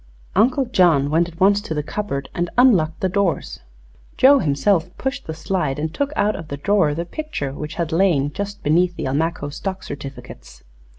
Uncle John went at once to the cupboard and unlocked the doors. Joe himself pushed the slide and took out of the drawer the picture, which had lain just beneath the Almaquo stock certificates.